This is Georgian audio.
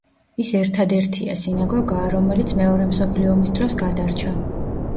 ის ერთადერთია სინაგოგაა რომელიც მეორე მსოფლიო ომის დროს გადარჩა.